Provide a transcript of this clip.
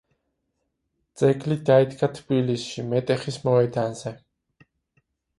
ძეგლი დაიდგა თბილისში, მეტეხის მოედანზე.